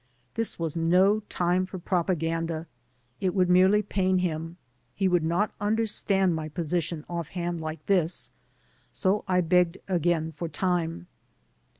This was no time for propa ganda; it would merely pain him; he would not understand my position offhand like this. So I begged again for time.